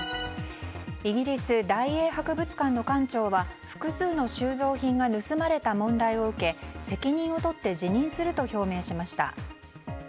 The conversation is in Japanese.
イギリス・大英博物館の館長は複数の収蔵品が盗まれた問題を受け責任を取って辞任すると表明しました。